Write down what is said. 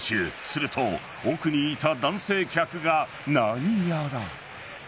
すると、奥にいた男性客がなにやら。